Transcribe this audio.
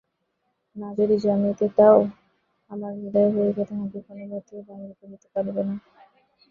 না যদি জানিতে দাও, আমার হৃদয় হইতে তাহাকে কোনোমতেই বাহির করিতে পারিবে না।